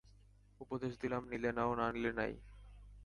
উপদেশ দিলাম, নিলে নেও, না নিলে নাই।